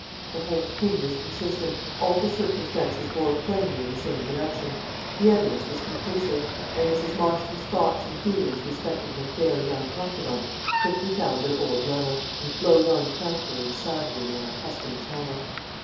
The whole thing was consistent; all the circumstances bore plainly in the same direction; the evidence was conclusive; and Mrs. Marston's thoughts and feelings respecting her fair young confidante quickly found their old level, and flowed on tranquilly and sadly in their accustomed channel.